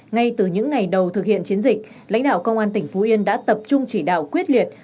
ngay từ những ngày đầu thực hiện chiến dịch lãnh đạo công an tỉnh phú yên đã tập trung chỉ đạo quyết liệt